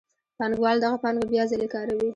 پانګوال دغه پانګه بیا ځلي کاروي